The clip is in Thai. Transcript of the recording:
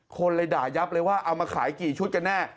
คนเลยด่ายับเลยว่าเอามาขายกี่ชุดกันแน่